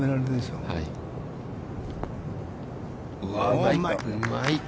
うまい。